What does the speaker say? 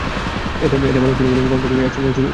এতে বালুর টিলাগুলো কমতে কমতে এক সময় অস্তিত্বহীন হয়ে যায়।